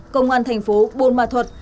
công an thành phố bôn ma thuật